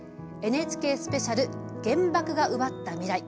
ＮＨＫスペシャル「原爆が奪った“未来”」。